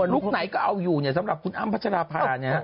ลูกไหนก็เอาอยู่เนี่ยสำหรับคุณอ้ำพัชราภา